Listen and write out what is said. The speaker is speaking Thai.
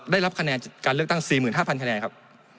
ได้รับคะแนนจากการเลือกตั้ง๔๕๐๐คะแนนครับ